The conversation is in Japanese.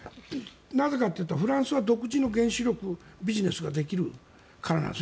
なぜかといったらフランスは独自の原子力ビジネスができるからです。